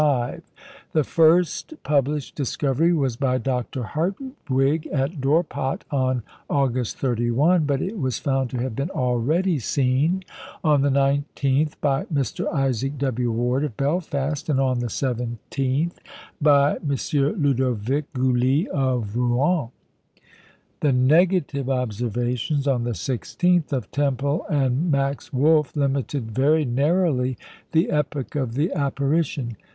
The first published discovery was by Dr. Hartwig at Dorpat on August 31; but it was found to have been already seen, on the 19th, by Mr. Isaac W. Ward of Belfast, and on the 17th by M. Ludovic Gully of Rouen. The negative observations, on the 16th, of Tempel and Max Wolf, limited very narrowly the epoch of the apparition.